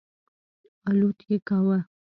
الوت یې کاوه.